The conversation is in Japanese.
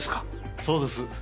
そうどす。